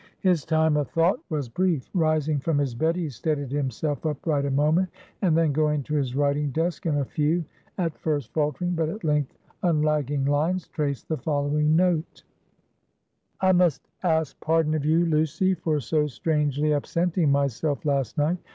His time of thought was brief. Rising from his bed, he steadied himself upright a moment; and then going to his writing desk, in a few at first faltering, but at length unlagging lines, traced the following note: "I must ask pardon of you, Lucy, for so strangely absenting myself last night.